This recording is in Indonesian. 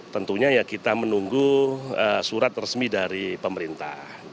tentunya ya kita menunggu surat resmi dari pemerintah